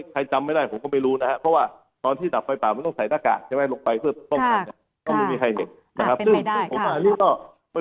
ใครจำไม่ได้ผมก็ไม่รู้นะครับเพราะว่าตอนที่จับไฟป่ามันต้องใส่หน้ากากใช่ไหมลงไป